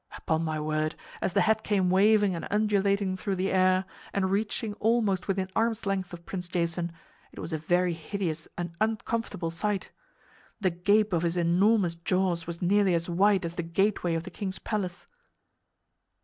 Upon my word, as the head came waving and undulating through the air and reaching almost within arm's length of Prince Jason, it was a very hideous and uncomfortable sight. The gape of his enormous jaws was nearly as wide as the gateway of the king's palace.